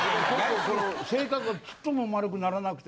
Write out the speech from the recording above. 性格がちっとも丸くならなくて。